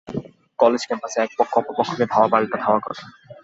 College ক্যাম্পাসে একপক্ষ অপর পক্ষকে ধাওয়া পাল্টা ধাওয়া করে।